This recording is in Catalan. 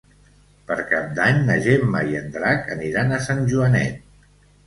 Per Cap d'Any na Gemma i en Drac aniran a Sant Joanet.